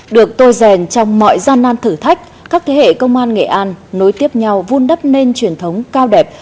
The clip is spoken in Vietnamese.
được tôi rèn trong mọi gian nan thử thách các thế hệ công an nghệ an nối tiếp nhau vun đắp nên truyền thống cao đẹp